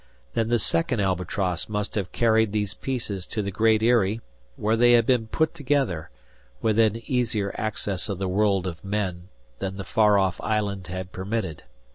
Then the second "Albatross" must have carried these pieces to the Great Eyrie, where they had been put together, within easier access of the world of men than the far off island had permitted.